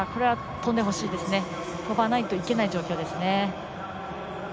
跳ばないといけない状況ですね。